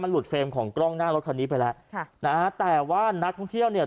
หลุดเฟรมของกล้องหน้ารถคันนี้ไปแล้วค่ะนะฮะแต่ว่านักท่องเที่ยวเนี่ย